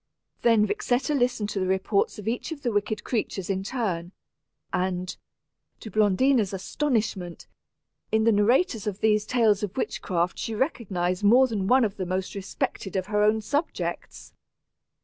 Then Vixetta listened to the reports of each of the wicked creatures in turn; and, to Blondina's astonishment, in the narrators of these tales of witchcraft she recognized more than one of the most respected of her own subjects.